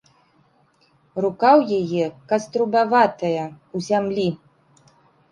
Рука ў яе каструбаватая, у зямлі.